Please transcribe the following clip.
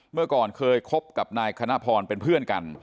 เมื่อก่อนเคยคบกับนายคณะพรเป็นเพื่อนกัน